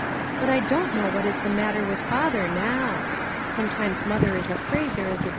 But I don't know what is the matter with father now. Sometimes mother is afraid there is a READY TO TRY.